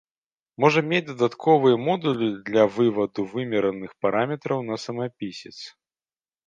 Можа мець дадатковыя модулі для вываду вымераных параметраў на самапісец.